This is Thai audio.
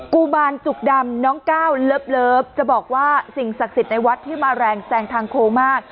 กุมารจุกดำน้องก้าวเลิฟจะบอกว่าสิ่งศักดิ์สิทธิ์ในวัดที่มาแรงแซงทางโค้งมาก